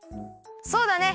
そうだね！